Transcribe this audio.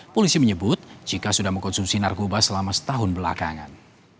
polisi menyebut jika sudah mengkonsumsi narkoba selama setahun belakangan